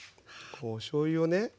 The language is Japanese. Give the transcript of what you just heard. おしょうゆをね。